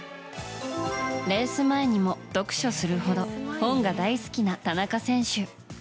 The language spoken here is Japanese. レース前にも読書するほど本が大好きな田中選手。